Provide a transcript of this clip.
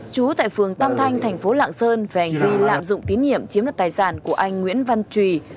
chú tại phường tâm thanh tp lạng sơn và anh vi lạm dụng tín nhiệm chiếm lơ tài sản của anh nguyễn văn trí